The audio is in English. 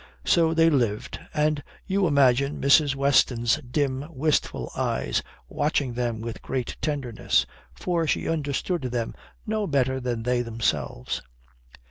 So they lived, and you imagine Mrs. Weston's dim, wistful eyes watching them with a great tenderness. For she understood them no better than they themselves.